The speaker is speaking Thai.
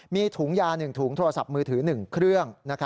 มีถุงยา๑ถุงโทรศัพท์มือถือ๑เครื่อง